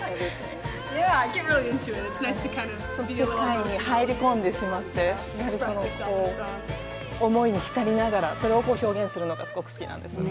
そうですね、入り込んでしまって、思いに浸りながら、それを表現するのがすごく好きなんですよ。